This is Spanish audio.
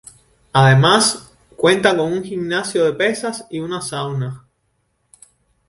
Además cuenta con un gimnasio de pesas y un Sauna.